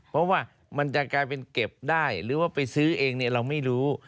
เพราะว่ามันจะกลายเป็นเก็บได้หรือว่าไปซื้อเองเราไม่รู้